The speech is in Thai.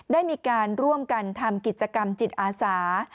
ได้มีการร่วมกันทำกิจกรรมจิตอาสา